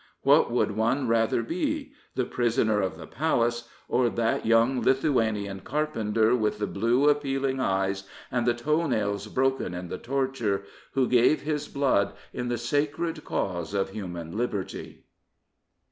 Which would one rather be — the prisoner of the palace, or that young Lithuanian carpenter with the blue appealing eyes and the toe nails broken in the torture, who gave his blood in the sacred cause of human liberty?